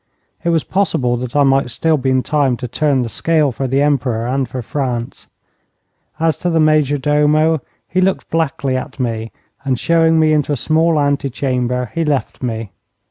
It was possible that I might still be in time to turn the scale for the Emperor and for France. As to the major domo, he looked blackly at me, and showing me into a small ante chamber he left me.